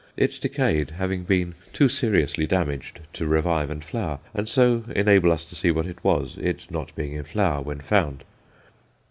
It decayed, having been too seriously damaged to revive and flower, and so enable us to see what it was, it not being in flower when found.